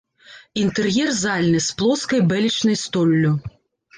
Інтэр'ер зальны з плоскай бэлечнай столлю.